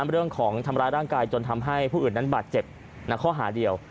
เรื่องของทำร้ายร่างกายจนทำให้ผู้อื่นนั้นบาดเจ็บในข้อหาเดียว